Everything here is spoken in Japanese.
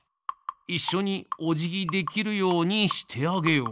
いっしょにおじぎできるようにしてあげよう。